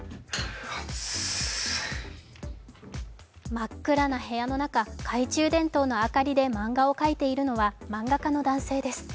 真っ暗な部屋の中懐中電灯の明かりで漫画を描いているのは漫画家の男性です。